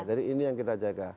jadi ini yang kita jaga